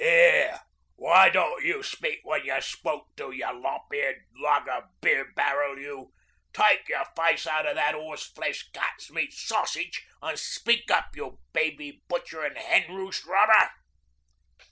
''Ere, why don't you speak when you're spoke to, you lop eared lager beer barrel, you. Take your fice out o' that 'orse flesh cat's meat sossidge an' speak up, you baby butcherin' hen roost robber.'